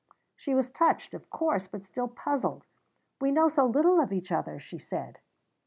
She was touched, of course, but still puzzled. "We know so little of each other," she said.